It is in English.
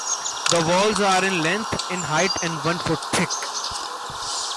The walls are in length, in height and one foot thick.